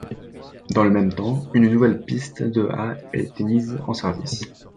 Dans le même temps, une nouvelle piste de a été mise en service.